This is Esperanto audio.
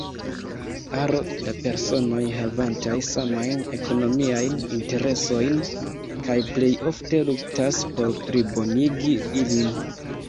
Aro da personoj havantaj samajn ekonomiajn interesojn, kaj plej ofte luktas por plibonigi ilin.